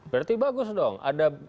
berarti bagus dong ada